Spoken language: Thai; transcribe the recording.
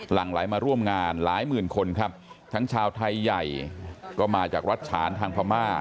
หลังไหลมาร่วมงานหลายหมื่นคนครับทั้งชาวไทยใหญ่ก็มาจากรัฐฉานทางพม่า